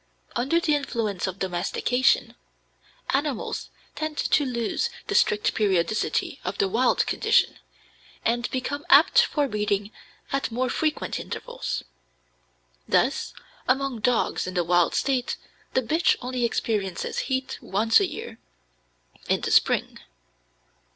Under the influence of domestication, animals tend to lose the strict periodicity of the wild condition, and become apt for breeding at more frequent intervals. Thus among dogs in the wild state the bitch only experiences heat once a year, in the spring.